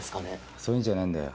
そういうんじゃねえんだよ。